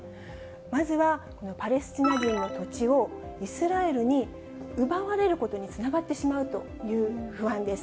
まずはパレスチナ人の土地をイスラエルに奪われることにつながってしまうという不安です。